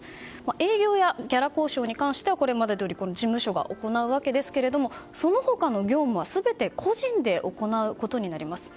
営業やギャラ交渉に関してはこれまでどおり事務所が行うわけですがその他の業務は全て個人で行うことになります。